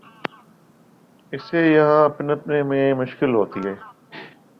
اسے یہاں پنپنے میں مشکل ہوتی ہے۔